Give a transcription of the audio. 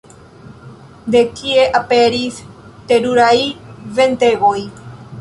De kie aperis teruraj ventegoj?